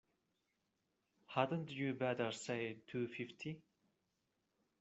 Hadn't you better say two fifty?